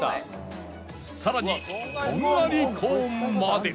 さらにとんがりコーンまで